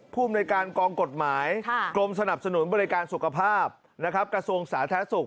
ภูมิในการกองกฎหมายกรมสนับสนุนบริการสุขภาพนะครับกระทรวงสาธารณสุข